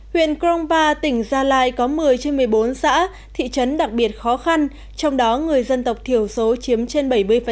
huyện krongpa tỉnh gia lai có một mươi trên một mươi bốn xã thị trấn đặc biệt khó khăn trong đó người dân tộc thiểu số chiếm trên bảy mươi